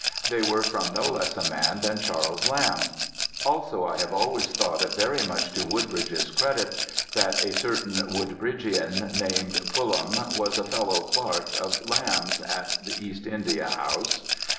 They were from no less a man than Charles Lamb. Also I have always thought it very much to Woodbridge's credit that a certain Woodbridgian named Pulham was a fellow clerk of Lamb's at the East India House.